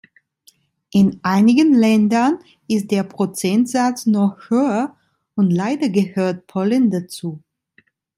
In einigen Ländern ist der Prozentsatz noch höher, und leider gehört Polen dazu.